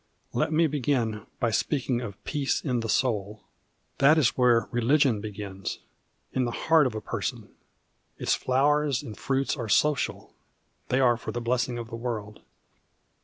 Let me begin by speaking of Peace in the Soul. That is where religion begins, in the heart of a person. Its flowers and fruits are social. They are for the blessing of the world.